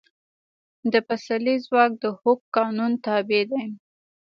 د پسرلي ځواک د هوک قانون تابع دی.